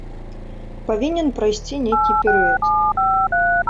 Павінен прайсці нейкі перыяд.